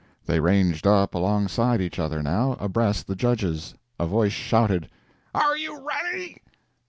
They ranged up alongside each other, now, abreast the judges. A voice shouted "Are you ready?"